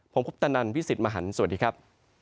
ผมพุทธนันทร์พี่สิทธิ์มหันต์สวัสดีครับ